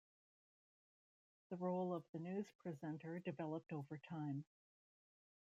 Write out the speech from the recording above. The role of the news presenter developed over time.